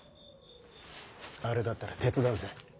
あれだったら手伝うぜ。